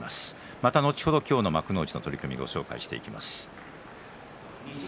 また後ほど幕内の取組をご紹介していきます。